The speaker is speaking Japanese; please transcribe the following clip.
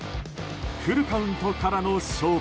フルカウントからの勝負。